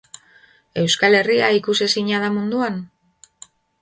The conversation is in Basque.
Euskal Herria ikusezina da munduan?